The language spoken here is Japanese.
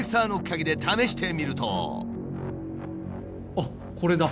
あっこれだ。